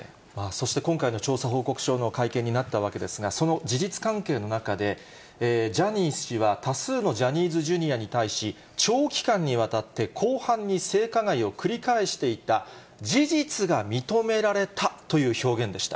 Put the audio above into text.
そして今回の調査報告書の会見になったわけですが、その事実関係の中で、ジャニー氏は多数のジャニーズＪｒ．に対し、長期間にわたって広範に性加害を繰り返していた事実が認められたという表現でした。